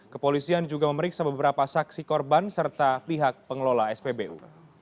kepolisian juga memeriksa beberapa saksi korban serta pihak pengelola spbu